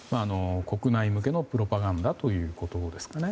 国内向けのプロパガンダということですかね。